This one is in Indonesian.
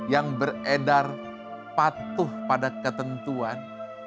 yang beredar patuh pada ketentuan